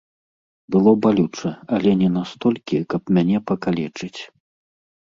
Было балюча, але не настолькі, каб мяне пакалечыць.